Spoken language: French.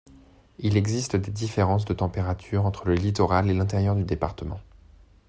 Il existe des différences de températures entre le littoral et l'intérieur du département.